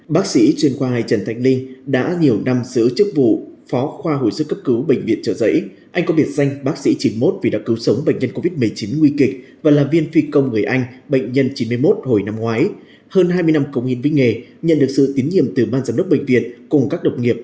bác sĩ chuyên khoa hai trần thanh linh đã nhiều năm giữ chức vụ phó khoa hồi sức cấp cứu bệnh viện trợ giấy anh có biệt danh bác sĩ chín mươi một vì đã cứu sống bệnh nhân covid một mươi chín nguy kịch và là viên phi công người anh bệnh nhân chín mươi một hồi năm ngoái